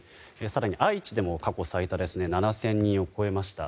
更に愛知でも過去最多７０００人を超えました。